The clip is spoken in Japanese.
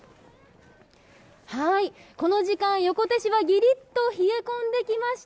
この時間、横手市はぎりっと冷え込んできました。